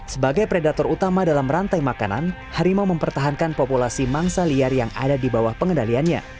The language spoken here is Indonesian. sebagai predator utama dalam rantai makanan harimau mempertahankan populasi mangsa liar yang ada di bawah pengendaliannya